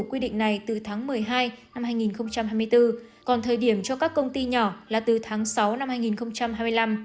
quy định này từ tháng một mươi hai năm hai nghìn hai mươi bốn còn thời điểm cho các công ty nhỏ là từ tháng sáu năm hai nghìn hai mươi năm